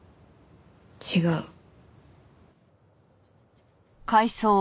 違う。